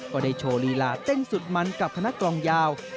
ก็ได้โชว์ลีลาเต้นสุดมันกับคณะกลองยาว